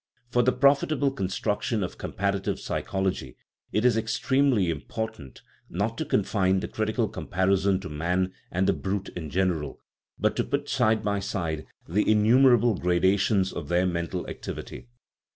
For the profitable construction of comparative psy chology it is extremely important not to confine the crit ical comparison to man and the brute in general, but to put side by side the innumerable gradations of their mental activity.